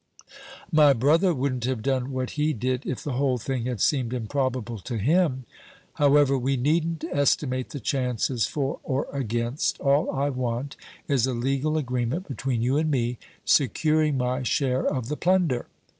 "My brother wouldn't have done what he did if the whole thing had seemed improbable to him. However, we needn't estimate the chances for or against; all I want is a legal agreement between you and me, securing my share of the plunder."